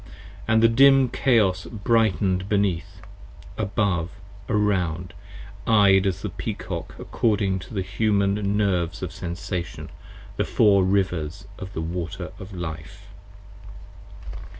And the dim Chaos brighten'd beneath, above, around ! Eyed as the Peacock 15 According to the Human Nerves of Sensation, the Four Rivers of the Water of Life.